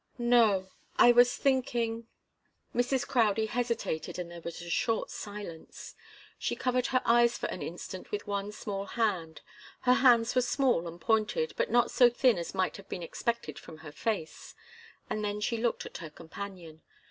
"No I was thinking " Mrs. Crowdie hesitated and there was a short silence. She covered her eyes for an instant with one small hand her hands were small and pointed, but not so thin as might have been expected from her face and then she looked at her companion.